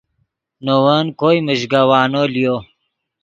نے ون کوئے میژگوانو لیو